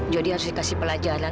jody harus dikasih pelajaran